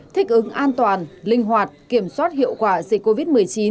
thích ứng an toàn linh hoạt kiểm soát hiệu quả dịch covid một mươi chín